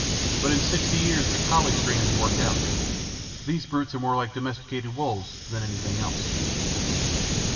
But in sixty years the collie strain has worked out. These brutes are more like domesticated wolves than anything else."